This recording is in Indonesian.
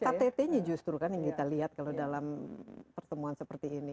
karena ktt nya justru kan yang kita lihat kalau dalam pertemuan seperti ini